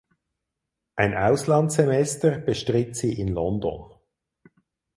Ein Auslandssemester bestritt sie in London.